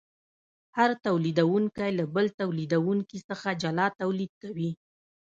هر تولیدونکی له بل تولیدونکي څخه جلا تولید کوي